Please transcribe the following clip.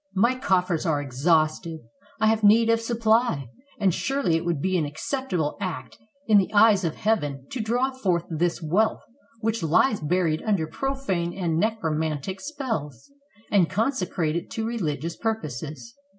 My coffers are exhausted; I have need of supply; and surely it would be an acceptable act in the eyes of Heaven to draw forth this wealth which lies buried under profane and necromantic spells, and consecrate it to religious purposes."